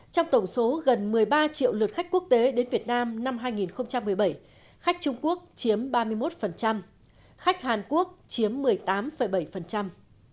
trong tổng số gần một mươi ba triệu lượt khách quốc tế đến việt nam năm hai nghìn một mươi bảy khách trung quốc chiếm ba mươi một khách hàn quốc chiếm một mươi tám bảy